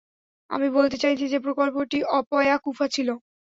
আমি বলতে চাইছি যে প্রকল্পটি অপয়া কুফা ছিল।